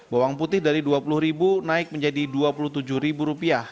bawang putih dari dua puluh ribu naik menjadi dua puluh tujuh ribu rupiah